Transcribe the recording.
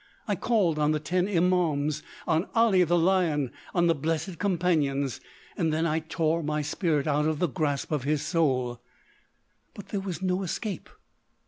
I called on the Ten Imaums, on Ali the Lion, on the Blessed Companions. Then I tore my spirit out of the grasp of his soul—but there was no escape!